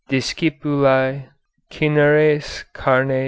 Discipulae . Cineres Carnis